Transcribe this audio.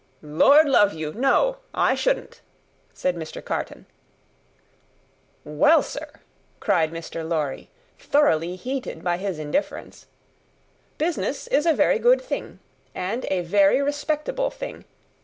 "Lord love you, no! I shouldn't," said Mr. Carton. "Well, sir!" cried Mr. Lorry, thoroughly heated by his indifference, "business is a very good thing, and a very respectable thing.